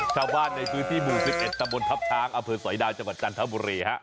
ชาวบ้านในซื้อที่๑๑สมทรัพย์ทางอเผิดสอยดาวจังหวัดจันทบุรี